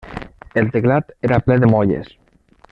El teclat era ple de molles.